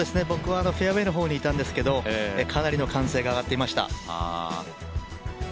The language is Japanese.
僕はフェアウエーの方にいたんですけど、かなりの歓声が上がっていました。